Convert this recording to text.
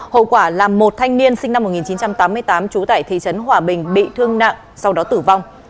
hậu quả là một thanh niên sinh năm một nghìn chín trăm tám mươi tám trú tại thị trấn hòa bình bị thương nặng sau đó tử vong